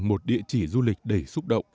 một địa chỉ du lịch đầy xúc động